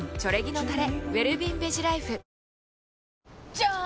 じゃーん！